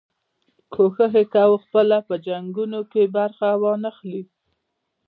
کوښښ یې کاوه پخپله په جنګونو کې برخه وانه خلي.